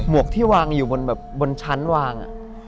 มวกที่วางอยู่บนชั้นวาง